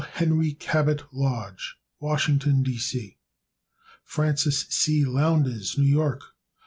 Henry Cabot Lodge, Washington, D. C. Francis C. Lowndes, New York.